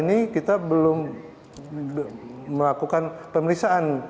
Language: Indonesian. sampai saat ini kita belum melakukan pemeriksaan